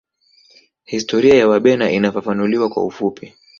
Historia ya Wabena inafafanuliwa kwa ufupi